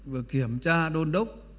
vừa kiểm tra đôn đốc